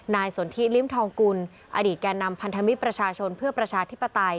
สนทิลิ้มทองกุลอดีตแก่นำพันธมิตรประชาชนเพื่อประชาธิปไตย